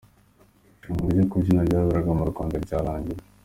Irushanwa rwo kubyina ryaberaga mu Rwanda ryarangiye.